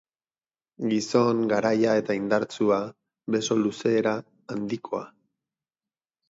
Gizon garaia eta indartsua, beso-luzera handikoa.